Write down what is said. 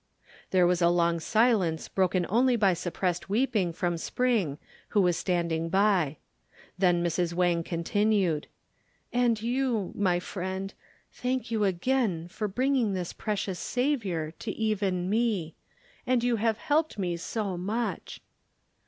There was a long silence broken only by suppressed weeping from Spring who was standing by. Then Mrs. Wang continued, "And you, my friend; thank you again for bringing this precious Saviour to even me. And you have helped me so much."